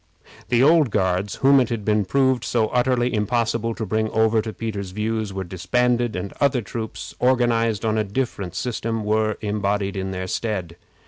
The old Guards, whom it had been proved so utterly impossible to bring over to Peter's views, were disbanded, and other troops, organized on a different system, were embodied in their stead.